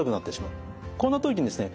こんな時にですね